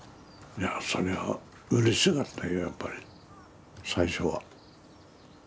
いやそれはうれしかったよやっぱり最初は。